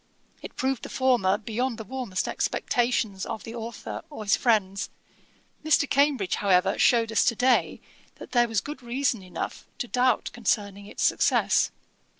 It proved the former, beyond the warmest expectations of the authour or his friends, Mr. Cambridge, however, shewed us to day, that there was good reason enough to doubt concerning its success.